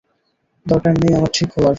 দরকার নেই আমার ঠিক হওয়ার।